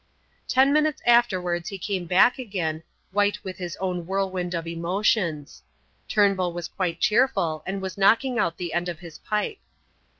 Ten minutes afterwards he came back again, white with his own whirlwind of emotions; Turnbull was quite cheerful and was knocking out the end of his pipe.